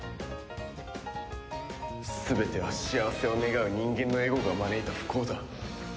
全ては幸せを願う人間のエゴが招いた不幸だ。